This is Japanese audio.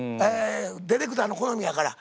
ディレクターの好みやから。